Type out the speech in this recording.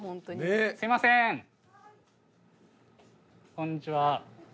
こんにちは。